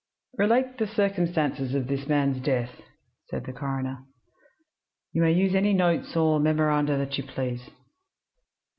"Relate the circumstances of this man's death," said the coroner. "You may use any notes or memoranda that you please."